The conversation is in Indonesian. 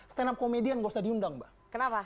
stand up komedian nggak usah diundang mbak kenapa